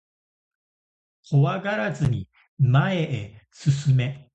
怖がらずに前へ進め